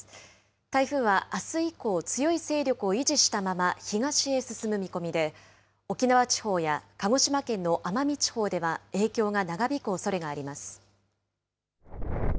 台風はあす以降、強い勢力を維持したまま東へ進む見込みで、沖縄地方や鹿児島県の奄美地方では影響が長引くおそれがあります。